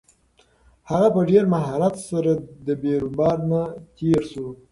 هغه په ډېر مهارت سره له بیروبار نه تېر شو.